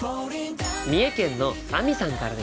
三重県のあみさんからです。